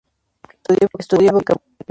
Estudio y vocabulario".